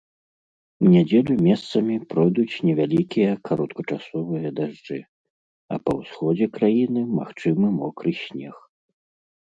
У нядзелю месцамі пройдуць невялікія кароткачасовыя дажджы, а па ўсходзе краіны магчымы мокры снег.